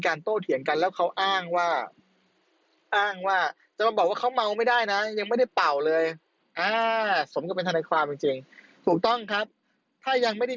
คนที่มาขับชนท้ายเนี่ย